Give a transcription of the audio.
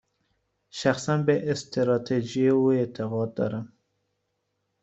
شخصا، به استراتژی او اعتقاد دارم.